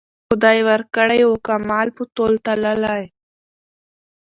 خدای ورکړی وو کمال په تول تللی